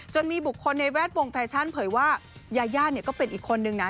มีบุคคลในแวดวงแฟชั่นเผยว่ายาย่าเนี่ยก็เป็นอีกคนนึงนะ